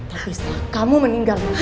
tapi saat kamu meninggal ini